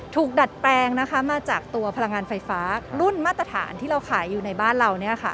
ดัดแปลงมาจากตัวพลังงานไฟฟ้ารุ่นมาตรฐานที่เราขายอยู่ในบ้านเรา